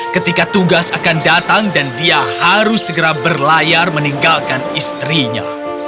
ketika tugas akan datang dan dia harus segera berlayar meninggalkan istrinya